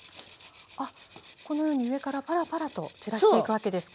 あっこのように上からパラパラと散らしていくわけですか。